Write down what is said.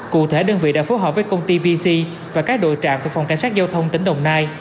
cụ thể đơn vị đã phối hợp với công ty vc và các đội trạm thuộc phòng cảnh sát giao thông tỉnh đồng nai